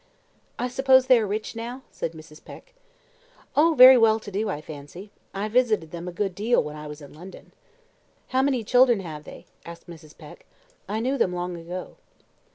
"I suppose they are rich now?" said Mrs. Peck. "Oh! very well to do, I fancy. I visited them a good deal when I was in London." "How many children have they?" asked Mrs. Peck. "I knew them long ago."